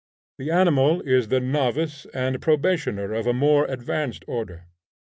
The animal is the novice and probationer of a more advanced order.